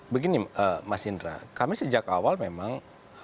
begini mas indra kami sejak awal memang